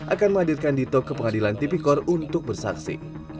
akan menghadirkan dito ke pengadilan tipikor untuk bersaksi